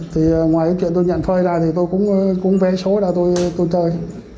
thì ngoài cái chuyện tôi nhận phơi lại thì tôi cũng vé số ra tôi chơi